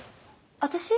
私？